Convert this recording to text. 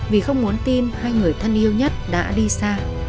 vì không muốn tin hay người thân yêu nhất đã đi xa